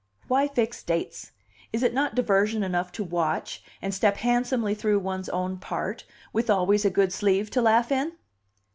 "Why fix dates? Is it not diversion enough to watch, and step handsomely through one's own part, with always a good sleeve to laugh in?"